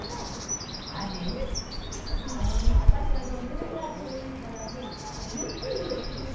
あのね私耳が遠いからねゆっくり言って。